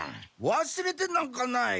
忘れてなんかない。